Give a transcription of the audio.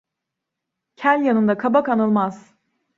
Kel yanında kabak anılmaz.